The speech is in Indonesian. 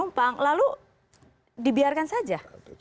penumpang lalu dibiarkan saja